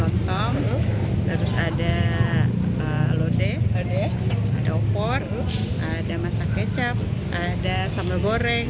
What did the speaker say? lontong terus ada lodeh ada opor ada masak kecap ada sambal goreng